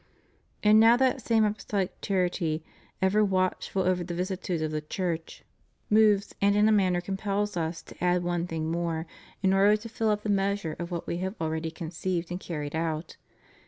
And now that same apostohc charity, ever watchful over the vicissitudes of the Church, moves and 517 518 THE MOST HOLY EUCHARIST. in a manner compels Us to add one thing more, in order to fill up the measure of what We have already conceived and carried out.